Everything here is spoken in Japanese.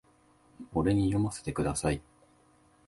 俺に読ませてください